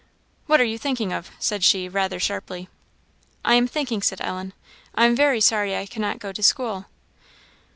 "What are you thinking of?" said she, rather sharply. "I am thinking," said Ellen, "I am very sorry I cannot go to school."